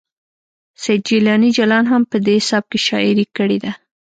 سید جیلاني جلان هم په دې سبک کې شاعري کړې ده